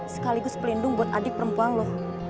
sekaligus pelindung buat adik perempuan loh